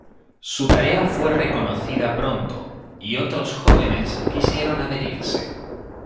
Su tarea fue reconocida pronto, y otros jóvenes quisieron adherirse.